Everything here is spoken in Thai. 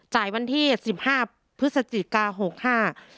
วันที่สิบห้าพฤศจิกาหกห้า